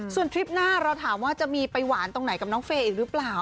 ส่วนทริปหน้าเราถามว่าจะมีไปหวานตรงไหนกับน้องเฟย์อีกหรือเปล่า